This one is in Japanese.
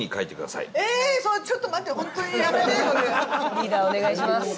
リーダーお願いします。